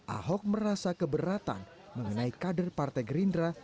ahok merasa keberatan mengenai kader partai gerindra